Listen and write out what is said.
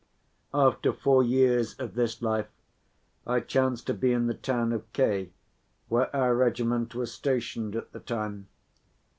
After four years of this life, I chanced to be in the town of K. where our regiment was stationed at the time.